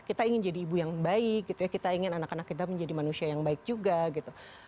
kita ingin jadi ibu yang baik gitu ya kita ingin anak anak kita menjadi manusia yang baik juga gitu